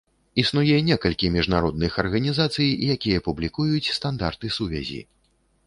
Існуе некалькі міжнародных арганізацый, якія публікуюць стандарты сувязі.